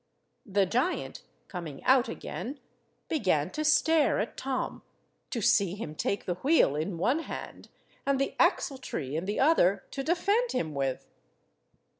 The giant, coming out again, began to stare at Tom, to see him take the wheel in one hand, and the axle–tree in the other, to defend him with.